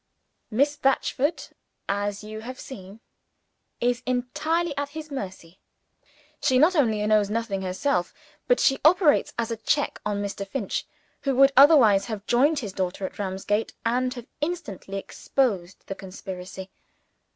Miss Batchford, as you have seen, is entirely at his mercy. She not only knows nothing herself, but she operates as a check on Mr. Finch who would otherwise have joined his daughter at Ramsgate, and have instantly exposed the conspiracy.